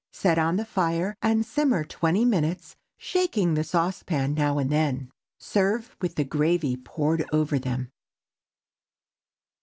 Set on the fire and simmer twenty minutes, shaking the saucepan now and then. Serve with the gravy poured over them.